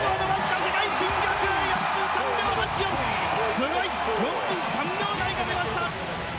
すごい！４分３秒台が出ました！